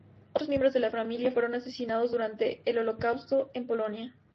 Otros miembros de la familia fueron asesinados durante el Holocausto en Polonia.